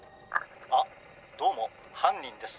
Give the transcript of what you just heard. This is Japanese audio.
☎あっどうもはんにんです。